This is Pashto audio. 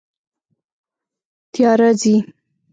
تیاره ځي